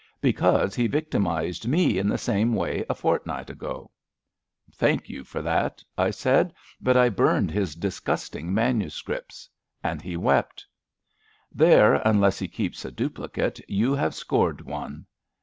^'Because he victimised me in the same way a fortnight ago/' Thank you for that/' I said, " but I burned his disgusting manuscripts. And he wept/' '* There, unless he keeps a duplicate, you have scored one."